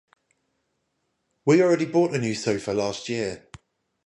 We already bought a new sofa last year.